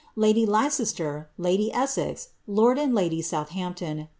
Lady Leicester, lady Essex, lord and lady Southampton, Mi.